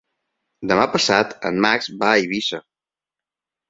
Demà passat en Max va a Eivissa.